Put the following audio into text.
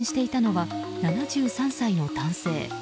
車を運転していたのは７３歳の男性。